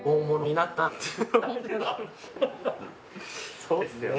そうですよね。